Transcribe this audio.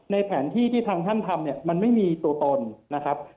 แผนที่ที่ทางท่านทำเนี่ยมันไม่มีตัวตนนะครับ